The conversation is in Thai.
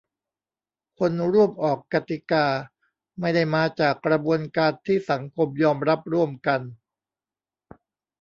คนร่วมออกกติกา ไม่ได้มาจากกระบวนการที่สังคมยอมรับร่วมกัน